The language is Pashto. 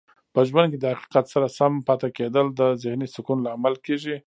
په ژوند کې د حقیقت سره سم پاتې کیدل د ذهنې سکون لامل کیږي.